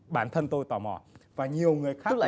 bản thân tôi tò mò và nhiều người khác cũng tò mò